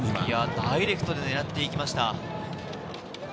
ダイレクトで狙っていきました。